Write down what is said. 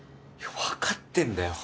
分かってんだよ